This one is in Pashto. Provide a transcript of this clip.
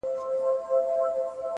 هله قربان دې سمه هله صدقه دې سمه!!